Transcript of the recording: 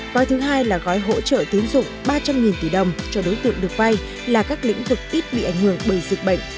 gói thứ hai là gói hỗ trợ tiến dụng ba trăm linh tỷ đồng cho đối tượng được vay là các lĩnh vực ít bị ảnh hưởng bởi dịch bệnh